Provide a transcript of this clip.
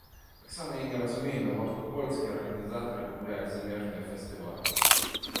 Таксама я не разумею, навошта польскія арганізатары купляюць замежныя фестывалі.